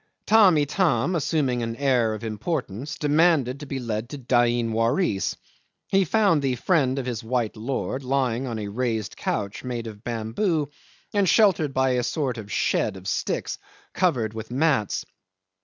'Tamb' Itam, assuming an air of importance, demanded to be led to Dain Waris. He found the friend of his white lord lying on a raised couch made of bamboo, and sheltered by a sort of shed of sticks covered with mats.